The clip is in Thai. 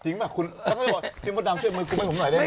จริงป่ะคุณพี่มดนามช่วยกุมไว้ผมหน่อยได้ไหม